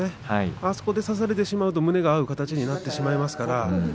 あそこで差されてしまうと胸が合う形になります。